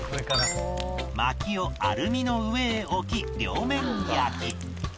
薪をアルミの上へ置き両面焼き